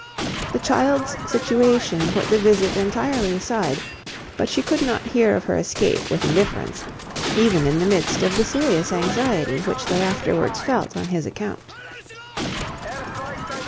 The child's situation put the visit entirely aside; but she could not hear of her escape with indifference, even in the midst of the serious anxiety which they afterwards felt on his account.